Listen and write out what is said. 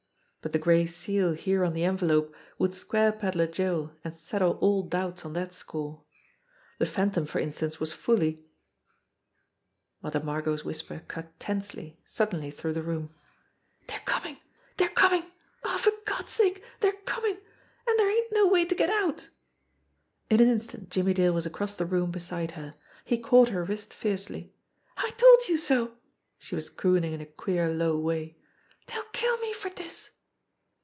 But the gray seal here on the envelope would square Pedler Joe and settle all doubts on that score. The Phantom, for instance, was fully Mother Margot's whisper cut tensely, suddenly through the room : "Dey're comin'! Dey're comin' ! Aw, for Gawd's sake, dey're comin', an' dere ain't no way to get out !" In an instant Jimmie Dale was across the room beside her. He caught her wrist fiercely. "I told youse so !" She was crooning in a queer, low way. "Dey'll kill me for dis